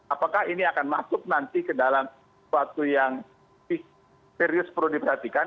apakah ini akan masuk nanti ke dalam suatu yang serius perlu diperhatikan